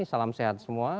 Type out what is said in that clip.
salam sehat semua